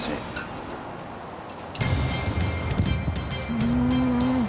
うん。